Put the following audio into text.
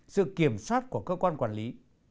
sự kiểm soát của cơ quan quản lý